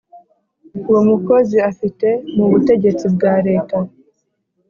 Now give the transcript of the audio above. uwo mukozi afite mu butegetsi bwa leta.